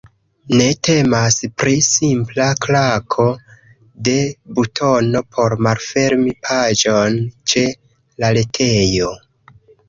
Ne temas pri simpla klako de butono por malfermi paĝon ĉe la retejo.